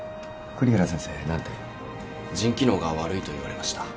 栗原先生何て？腎機能が悪いと言われました。